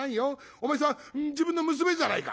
お前さん自分の娘じゃないか」。